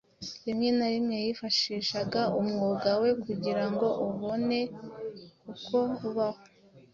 rimwe na rimwe yifashishaga umwuga we kugira ngo abone uko abaho.